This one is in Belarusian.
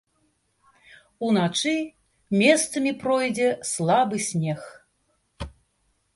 Уначы месцамі пройдзе слабы снег.